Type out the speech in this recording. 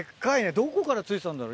どこから付いてたんだろ？